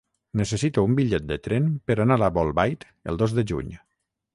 Necessito un bitllet de tren per anar a Bolbait el dos de juny.